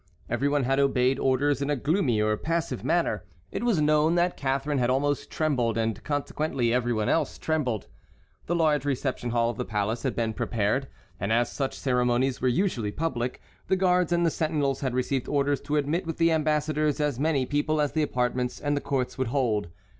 Every one had obeyed orders in a gloomy or passive manner. It was known that Catharine had almost trembled, and consequently every one else trembled. The large reception hall of the palace had been prepared, and as such ceremonies were usually public, the guards and the sentinels had received orders to admit with the ambassadors as many people as the apartments and the courts would hold.